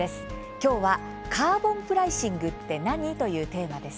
きょうは「カーボンプライシングって何？」というテーマです。